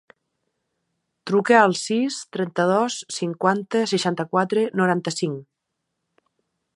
Truca al sis, trenta-dos, cinquanta, seixanta-quatre, noranta-cinc.